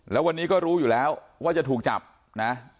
แล้ววันนี้ก็รู้อยู่แล้วว่าจะถูกจับนะ